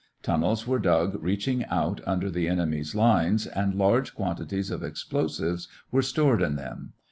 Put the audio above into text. Tunnels were dug reaching out under the enemy's lines and large quantities of explosives were stored in them.